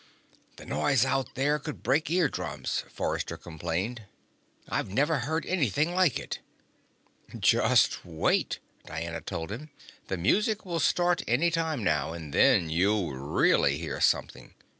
"The noise out there could break eardrums," Forrester complained. "I've never heard anything like it." "Just wait," Diana told him. "The music will start any time now and then you'll really hear something."